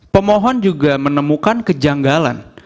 pemohon juga menemukan kejanggalan